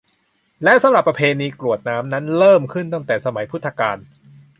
และสำหรับประเพณีกรวดน้ำนั้นเริ่มขึ้นตั้งแต่สมัยพุทธกาล